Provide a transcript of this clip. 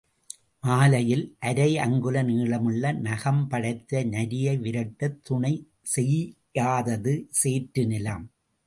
மாலையில் அரை அங்குல நீளமுள்ள நகம்படைத்த நரியை விரட்டத் துணை செய்யாதது சேற்றுநிலம்.